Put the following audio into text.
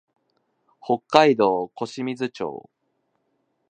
北海道小清水町